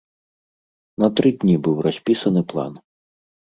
На тры дні быў распісаны план.